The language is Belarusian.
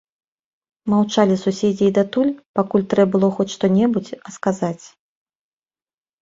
Маўчалі суседзі і датуль, пакуль трэ было хоць што-небудзь а сказаць.